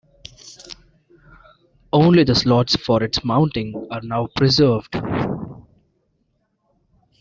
Only the slots for its mounting are now preserved.